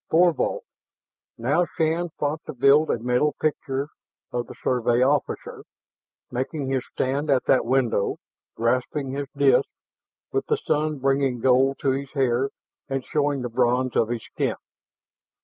Thorvald.... Now Shann fought to build a mental picture of the Survey officer, making his stand at that window, grasping his disk, with the sun bringing gold to his hair and showing the bronze of his skin.